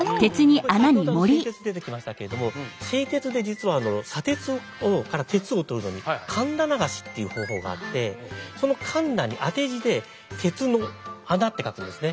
これ先ほど製鉄出てきましたけども製鉄で実は砂鉄から鉄をとるのにかんな流しっていう方法があってそのかんなに当て字で鉄の穴って書くんですね。